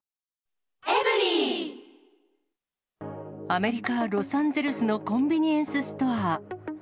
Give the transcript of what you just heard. アメリカ・ロサンゼルスのコンビニエンスストア。